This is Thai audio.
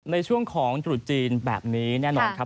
ในช่วงของตรุษจีนแบบนี้แน่นอนครับ